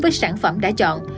với sản phẩm đã chọn